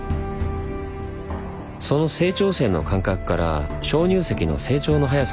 その成長線の間隔から鍾乳石の成長の速さが分かります。